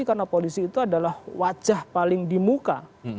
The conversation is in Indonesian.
karena polisi itu adalah wajah paling di muka